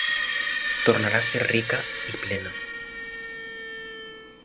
Tornarà a ser rica i plena.